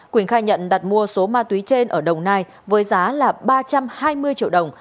quỳnh khai nhận đặt mua số ma túy trên ở đồng nai với giá là ba trăm hai mươi triệu đồng